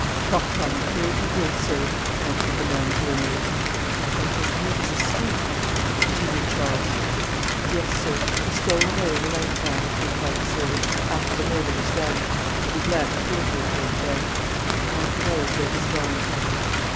"Troth, I'm afeard he did, sir," answered the man, gloomily. "And has made his escape?" continued Charles. "Yes, sir; he stole away in the night time," replied the servant, "after the murder was done" (and he glanced fearfully toward the bed); "God knows where he's gone."